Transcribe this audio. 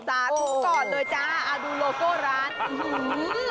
สาธุก่อนโดยจ๊ะดูโลโก้ร้าน